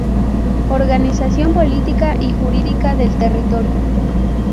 Organización política y jurídica del territorio.